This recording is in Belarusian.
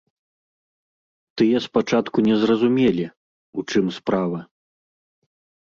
Тыя спачатку не зразумелі, у чым справа.